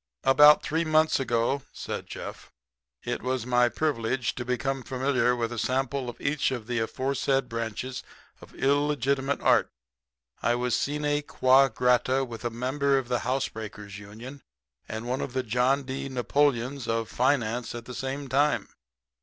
"About three months ago," said Jeff, "it was my privilege to become familiar with a sample of each of the aforesaid branches of illegitimate art. I was sine qua grata with a member of the housebreakers' union and one of the John D. Napoleons of finance at the same time."